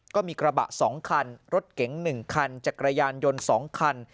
ก็มีกระบะ๒คันรถเก๋ง๑คันจักรยานยนต์๒คัน